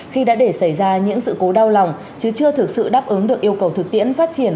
khi đã để xảy ra những sự cố đau lòng chứ chưa thực sự đáp ứng được yêu cầu thực tiễn phát triển